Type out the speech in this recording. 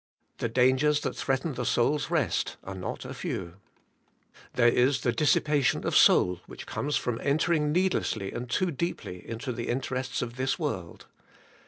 The dangers that threaten the soul's rest are not a few. There is the dissipation of soul which comes from entering needlessly and too deeply into the interests 140 ABIDE IN CHRIST: of this world.